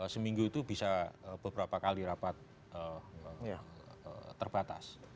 seminggu itu bisa beberapa kali rapat terbatas